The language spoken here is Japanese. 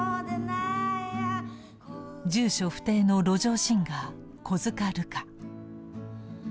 住所不定の路上シンガー小塚路花。